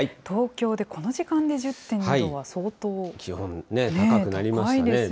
東京でこの時間で１０．２度は、気温、高くなりましたね。